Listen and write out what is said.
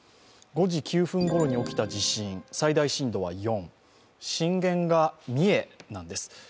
５時９分ごろに起きた地震、最大震度は４、震源が三重なんです。